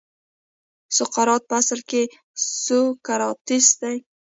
سقراط په اصل کې سوکراتیس دی.